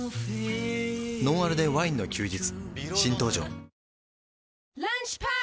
「ノンアルでワインの休日」